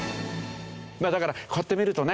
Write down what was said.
だからこうやって見るとね